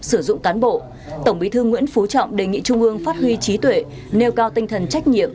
sử dụng cán bộ tổng bí thư nguyễn phú trọng đề nghị trung ương phát huy trí tuệ nêu cao tinh thần trách nhiệm